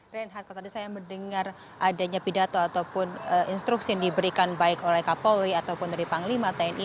reinhard kalau tadi saya mendengar adanya pidato ataupun instruksi yang diberikan baik oleh kapolri ataupun dari panglima tni